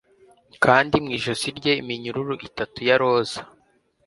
Kandi mu ijosi rye iminyururu itatu ya roza